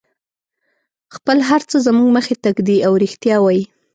خپل هر څه زموږ مخې ته ږدي او رښتیا وایي.